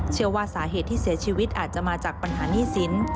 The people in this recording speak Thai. เชื่อว่าสาเหตุที่เสียชีวิตอาจจะมาจากปัญหาหนี้สิน